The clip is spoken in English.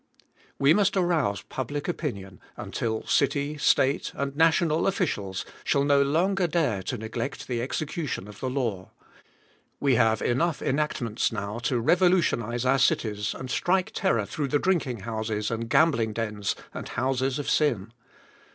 We must arouse public opinion, until city, State, and national officials shall no longer dare to neglect the execution of the law. We have enough enactments now to revolutionize our cities and strike terror through the drinking houses and gambling dens and houses of sin.